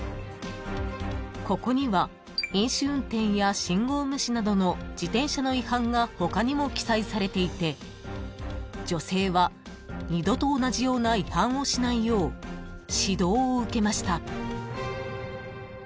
［ここには飲酒運転や信号無視などの自転車の違反が他にも記載されていて女性は二度と同じような違反をしないよう指導を受けました］